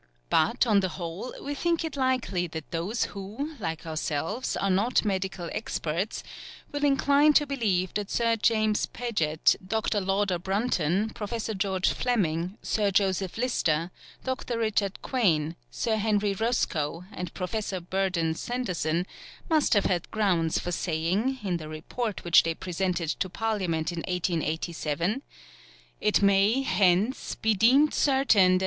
But, on the whole, we think it likely that those who, like ourselves are not medical experts will incline to believe that Sir James Paget, Dr. Lauder Brunton, Professor George Fleming, Sir Joseph Lister, Dr. Richard Quain, Sir Henry Roscoe, and Professor Burdon Sanderson must have had grounds for saying, in the report which they presented to Parliament in 1887, "It may, hence, be deemed certain that M.